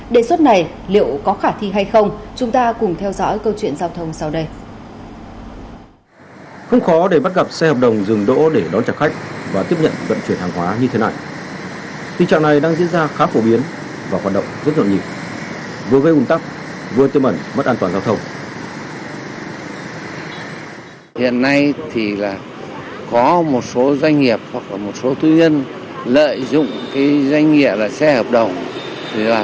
đề xuất này liệu có khả thi hay không chúng ta cùng theo dõi câu chuyện giao thông sau đây